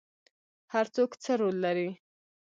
هر څوک څه رول لري؟